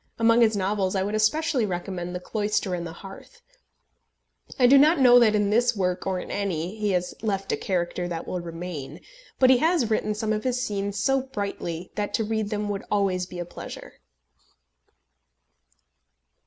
Among his novels I would especially recommend The Cloister and the Hearth. I do not know that in this work, or in any, that he has left a character that will remain; but he has written some of his scenes so brightly that to read them would always be a pleasure.